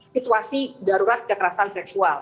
situasi darurat kekerasan seksual